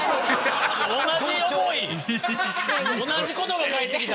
同じ言葉返ってきた！